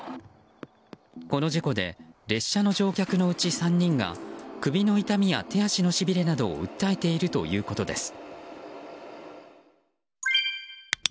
この事故で列車の乗客のうち３人が首の痛みや手足のしびれなどを訴えているということです。